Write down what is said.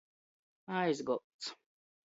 Aizgolds.